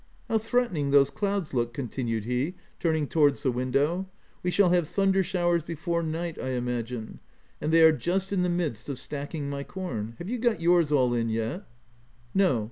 How threatening those clouds look !" continued he, turning towards the window. " We shall have thunder showers before night, I imagine ; and they are just in the midst of stacking my corn. Have you got yours all in yet ?" "No.